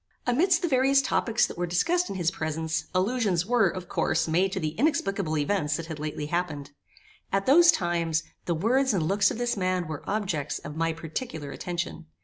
Amidst the various topics that were discussed in his presence, allusions were, of course, made to the inexplicable events that had lately happened. At those times, the words and looks of this man were objects of my particular attention.